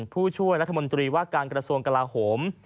ผู้ช่วยรัฐมนตรีว่าการกระทรวงกลาโหม